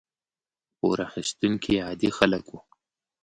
پور اخیستونکي عادي خلک وو.